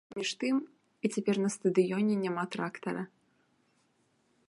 Між тым, і цяпер на стадыёне няма трактара.